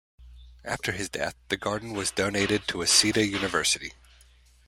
After his death, the garden was donated to Waseda University.